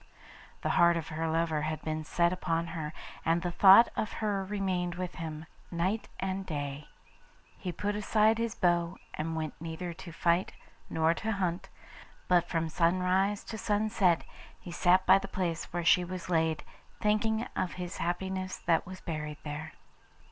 The heart of her lover had been set upon her, and the thought of her remained with him night and day. He put aside his bow, and went neither to fight nor to hunt, but from sunrise to sunset he sat by the place where she was laid, thinking of his happiness that was buried there.